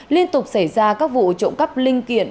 liên tục xảy ra các vụ trộm cắp linh kiện